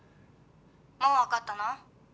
「もうわかったの？